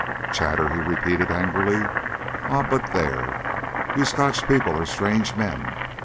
"Chatter!" he repeated angrily. "Ah, but there. You Scotch people are strange men.